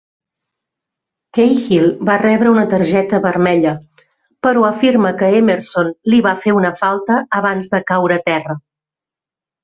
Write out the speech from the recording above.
Cahill va rebre una targeta vermella, però afirma que Emerson li va fer una falta abans de caure a terra.